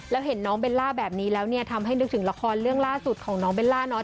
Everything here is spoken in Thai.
แล้วเห็นน้องเบลล่าแบบนี้แล้วเนี่ยทำให้นึกถึงละครเรื่องล่าสุดของน้องเบลล่าเนาะ